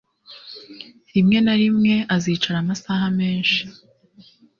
Rimwe na rimwe azicara amasaha menshi